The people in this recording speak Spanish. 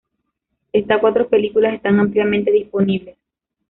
Estas cuatro películas están ampliamente disponibles.